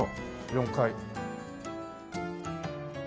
４階。